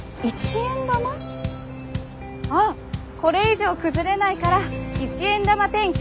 ああこれ以上崩れないから一円玉天気とも言うね。